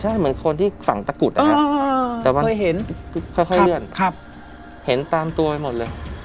ใช่เหมือนคนที่ฝั่งตะกุฎอะครับเคยเห็นค่อยเคยเห็นครับเห็นตามตัวไปหมดเลย